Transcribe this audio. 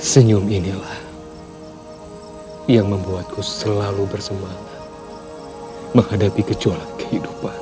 senyum inilah yang membuatku selalu bersemangat menghadapi kecuali kehidupan